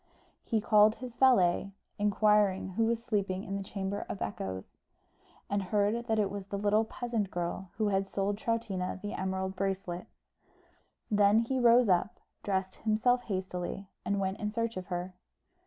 He called his valet, inquired who was sleeping in the Chamber of Echoes, and heard that it was the little peasant girl who had sold to Troutina the emerald bracelet. Then he rose up, dressed himself hastily, and went in search of her.